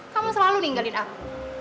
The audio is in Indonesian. kamu selalu ninggalin aku